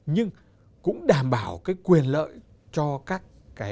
nhưng cũng đảm bảo quyền lợi cho các